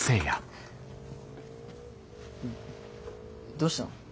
どしたの？